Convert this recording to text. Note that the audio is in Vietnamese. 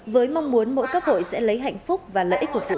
với mong muốn mỗi cấp hội sẽ lấy hạnh phúc và lợi ích của phụ nữ